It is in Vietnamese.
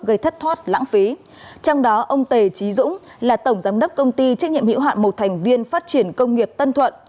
gây thất thoát lãng phí trong đó ông tề trí dũng là tổng giám đốc công ty trách nhiệm hữu hạn một thành viên phát triển công nghiệp tân thuận